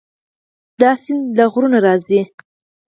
دا سیند له غرونو راځي.